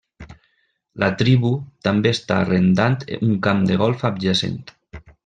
La tribu també està arrendant un camp de golf adjacent.